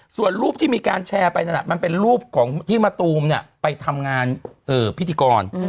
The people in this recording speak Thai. ส่วนรูปที่มีการแชร์ไปนั่นมันเป็นรูปของที่มะตูมไปทำงานพิธีกร